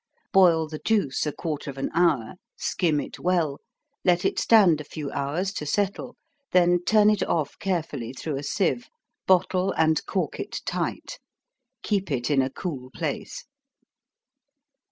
Boil the juice a quarter of an hour, skim it well, let it stand a few hours to settle, then turn it off carefully through a sieve, bottle and cork it tight. Keep it in a cool place.